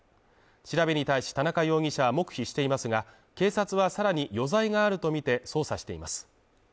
調べに対し田中容疑者は黙秘していますが、警察はさらに余罪があるとみて捜査しています。